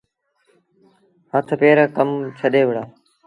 هٿ پير ڪم ڇڏي وهُڙآ۔